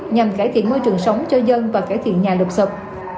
nhằm cải thiện môi trường sống cho dân và cải thiện nhà lục sụp